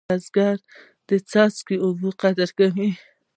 بزګر د څاڅکي اوبه قدر کوي